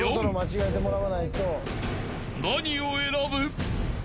［何を選ぶ？］